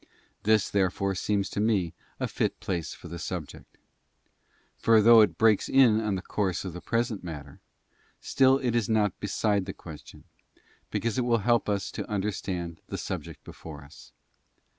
This, therefore, seems to me a fit place for the subject. For though it breaks in on the course of the present matter, still it is not beside the question, because it will help us to un derstand the subject before us.